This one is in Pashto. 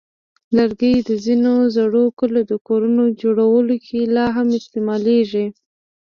لرګي د ځینو زړو کلیو د کورونو جوړولو کې لا هم استعمالېږي.